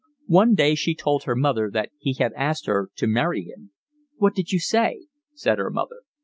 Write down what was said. One day she told her mother that he had asked her to marry him. "What did you say?" said her mother.